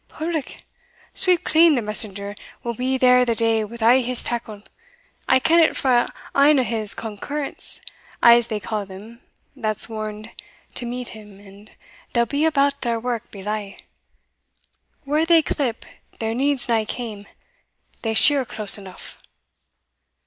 "Public! Sweepclean, the messenger, will be there the day wi' a' his tackle. I ken it frae ane o' his concurrents, as they ca' them, that's warned to meet him; and they'll be about their wark belyve; whare they clip, there needs nae kame they shear close eneugh."